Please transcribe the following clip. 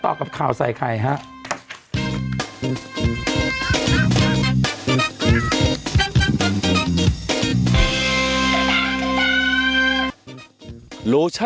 พบกับข่าวใส่ใครฮะ